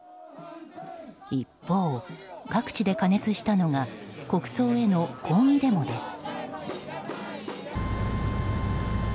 一方、各地で過熱したのが国葬への抗議デモです。